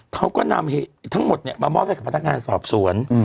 เขาก็นำทั้งหมดมามอบให้กับพนักงานสอบสวน